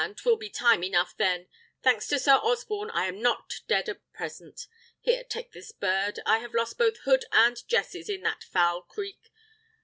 'twill be time enough then. Thanks to Sir Osborne, I am not dead at present. Here, take this bird. I have lost both hood and jesses in that foul creek.